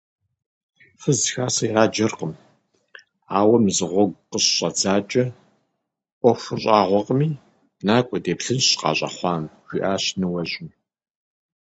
Фыз хасэ ираджэркъым, ауэ мызыгъуэгу къыщызэджакӀэ, Ӏуэхур щӀагъуэкъыми, накӀуэ, деплъынщ къащӀэхъуам, – жиӏащ ныуэжьым.